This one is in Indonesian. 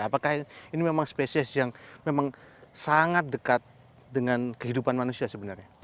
apakah ini memang spesies yang memang sangat dekat dengan kehidupan manusia sebenarnya